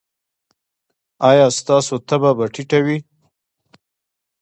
ایا ستاسو تبه به ټیټه وي؟